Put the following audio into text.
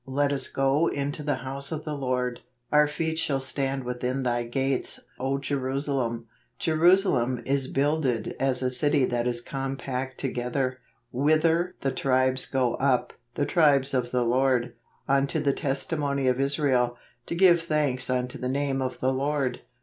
Let us go into the house of the Lord. Our feet shall stand within thy gates, O Jeru¬ salem. Jerusalem is builded as a city that is compact together: Whither the tribes go up, the tribes of the Lord, unto the testimony of Israel, to give thanks unto the name of the Lord."